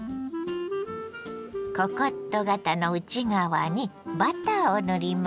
ココット型の内側にバターを塗ります。